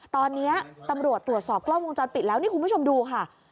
ตอนนี้ตำรวจตรวจสอบกล้องวงจรปิดแล้วนี่คุณผู้ชมดูค่ะ